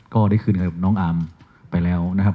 ก็ได้คืนกับน้องอามไปแล้วนะครับ